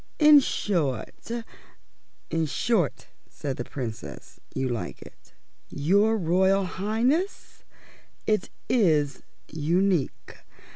In short " "In short," said the Princess, "you like it." "Your Royal Highness, it is unique.